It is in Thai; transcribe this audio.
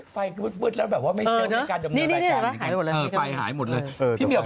ไฟหายหมดเลย